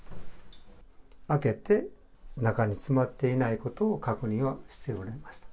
開けて、中に詰まっていないことを確認はしてくれました。